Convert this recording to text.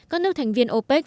các nước thành viên opec